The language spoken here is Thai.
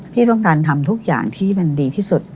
พี่ต้องการทำทุกอย่างที่มันดีที่สุด